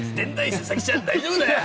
佐々木ちゃん、大丈夫だよ！